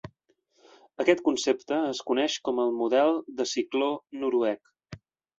Aquest concepte es coneix com el model de cicló noruec.